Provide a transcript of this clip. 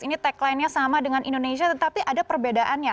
ini tagline nya sama dengan indonesia tetapi ada perbedaannya